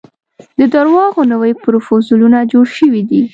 د درواغو نوي پرفوزلونه جوړ شوي دي.